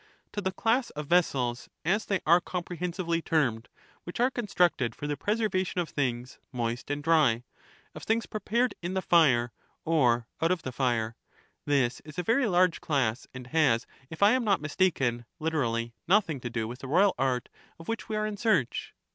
To the class of vessels, as they are comprehensively termed, which are constructed for the preservation of things 288 moist and dry, of things prepared in the fire or out of the fire ; this is a very large class, and has, if I am not mis taken, literally nothing to do with the royal art of which we are in search.